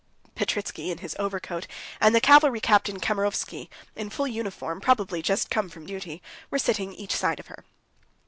Petritsky, in his overcoat, and the cavalry captain Kamerovsky, in full uniform, probably just come from duty, were sitting each side of her.